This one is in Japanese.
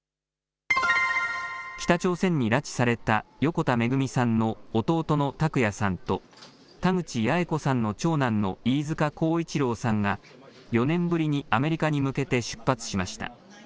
北朝鮮に拉致された横田めぐみさんの弟の拓也さんと、田口八重子さんの長男の飯塚耕一郎さんが、４年ぶりにアメリカに向けて出発しました。